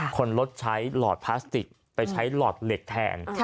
คนลดใช้หลอดพลาสติกไปใช้หลอดเหล็กแทน